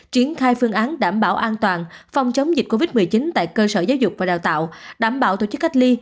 triển khai phương án đảm bảo an toàn phòng chống dịch covid một mươi chín tại cơ sở giáo dục và đào tạo đảm bảo tổ chức cách ly